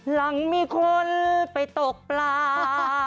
หลังมีคนไปตกปลา